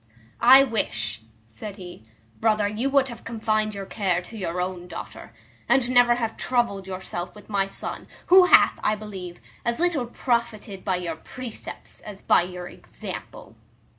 "I wish," said he, "brother, you would have confined your care to your own daughter, and never have troubled yourself with my son, who hath, I believe, as little profited by your precepts, as by your example."